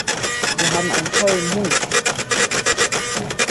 Wir haben einen tollen Hund!